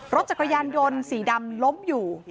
รถจักรยานยนต์สีดำล้มอยู่